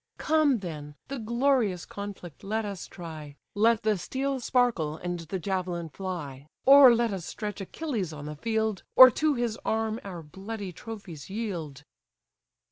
Come then, the glorious conflict let us try, Let the steel sparkle, and the javelin fly; Or let us stretch Achilles on the field, Or to his arm our bloody trophies yield."